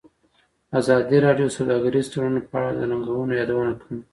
ازادي راډیو د سوداګریز تړونونه په اړه د ننګونو یادونه کړې.